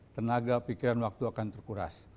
tenaga pikiran waktu akan terkuras